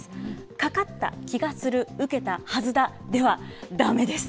かかった気がする、受けたはずだではだめです。